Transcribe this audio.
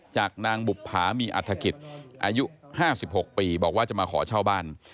จากนางบุภามีอัฐกิจอายุ๕๖ปีบอกว่าจะมาขอเช่าบ้าน